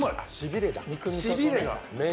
しびれが。